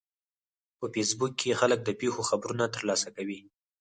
په فېسبوک کې خلک د پیښو خبرونه ترلاسه کوي